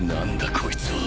こいつは。